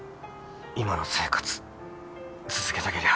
今の生活続けたけりゃ。